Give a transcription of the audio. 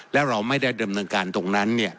และเราไม่ได้เดิมหนังการตรงนั้น